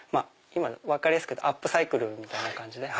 分かりやすく言うとアップサイクルみたいな感じ。